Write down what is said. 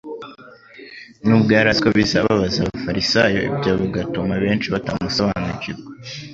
nubwo yari azi ko bizababaza abafarisayo, ibyo bigatuma benshi batamusobanukirwa.